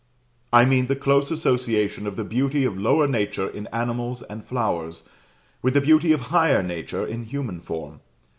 I mean the close association of the beauty of lower nature in animals and flowers, with the beauty of higher nature in human form.